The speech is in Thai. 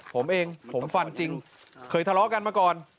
ผมเองผมฟันจริงเคยทะเลาะกันมาก่อน